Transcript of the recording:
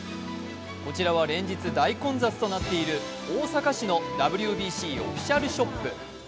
こちらは連日、大混雑となっている大阪市のＷＢＣオフィシャルショップ